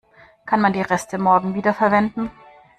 Kann man die Reste morgen wiederverwenden?